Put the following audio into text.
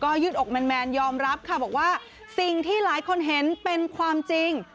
ยืดอกแมนยอมรับค่ะบอกว่าสิ่งที่หลายคนเห็นเป็นความจริง